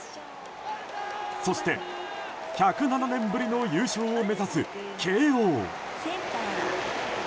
そして１０７年ぶりの優勝を目指す慶応。